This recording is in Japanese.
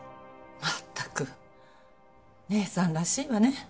まったく姉さんらしいわね。